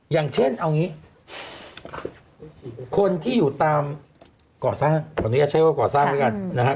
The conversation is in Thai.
อย่างเช่นเอาอย่างงี้คนที่อยู่ตามก่อสร้างตอนนี้อยากใช้ว่าก่อสร้างด้วยกันนะฮะ